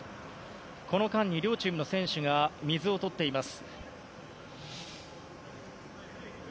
この間に両チームの選手たちが水をとっています。